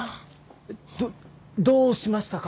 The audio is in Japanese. どどうしましたか？